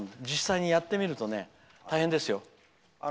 実際にやってみると大変ですよ。